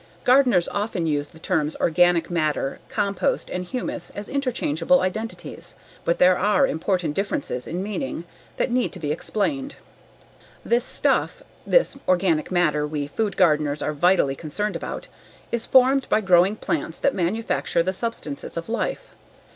Gardeners often use the terms organic matter, compost, and humus as interchangeable identities. But there are important differences in meaning that need to be explained. This stuff, this organic matter we food gardeners are vitally concerned about, is formed by growing plants that manufacture the substances of life.